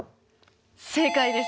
正解です。